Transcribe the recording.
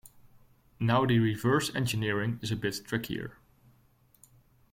Now the reverse engineering is a bit trickier.